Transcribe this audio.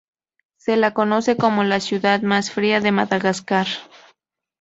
Se la conoce como la ciudad más fría de Madagascar.